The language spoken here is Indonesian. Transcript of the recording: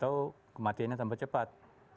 atau kematiannya tambah cepat